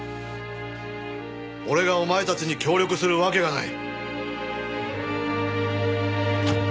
俺がお前たちに協力するわけがない。